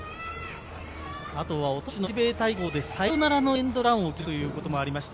あとは、おととしの日米対抗でサヨナラのエンドランを決めるということもありまして。